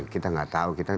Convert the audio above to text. kita gak tahu